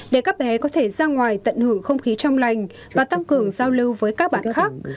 để các bé có thể ra ngoài tận hưởng không khí trong lành và tăng cường giao lưu với các bạn khác